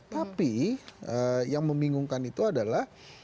tapi yang membingungkan itu adalah